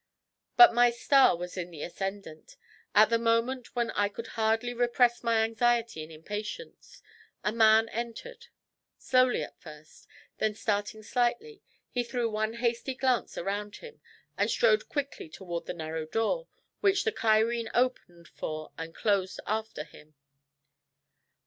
But my star was in the ascendant. At the moment when I could hardly repress my anxiety and impatience, a man entered; slowly at first, then starting slightly, he threw one hasty glance around him, and strode quickly toward the narrow door, which the Cairene opened for and closed after him.